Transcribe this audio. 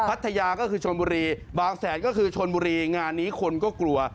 พัทยาก็คือชนบุรีบางแสนก็คือชนบุรีงานนี้คนก็กลัว